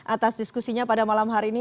atas diskusinya pada malam hari ini